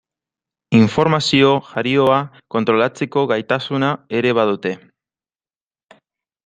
Informazio jarioa kontrolatzeko gaitasuna ere badute.